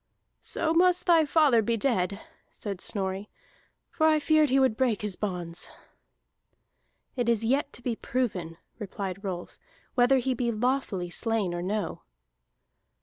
"So must thy father be dead," said Snorri. "For I feared he would break his bounds." "It is yet to be proven," replied Rolf, "whether he be lawfully slain or no."